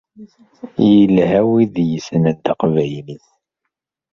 Yelha wid yessnen taqbaylit.